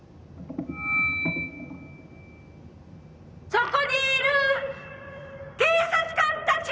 「そこにいる警察官たちよ！」